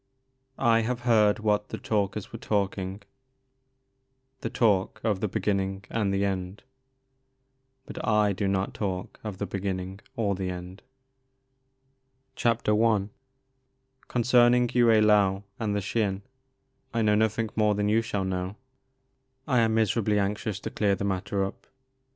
" I have beard what the Talkers were talking,— the talk Of the beginning and the end ; Bnt I do not talk of the beginning or the end." I. CONCERNING Yue Uou and the Xin I know nothing more than you shall know. I am miserably anxious to clear the mat ter up.